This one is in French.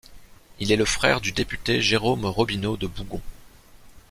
Il est le frère du député Jérôme Robineau de Bougon.